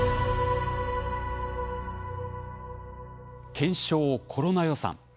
「検証コロナ予算」。